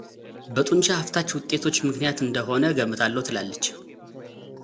በጡንቻ አፍታች ውጤቶች ምክንያት እንደሆነ እገምታለሁ ትላለች።